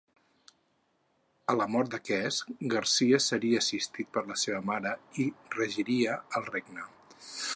A la mort d'aquest, Garcia seria assistit per la seva mare i regiria el regne.